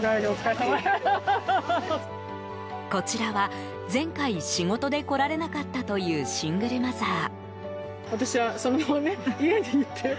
こちらは、前回仕事で来られなかったというシングルマザー。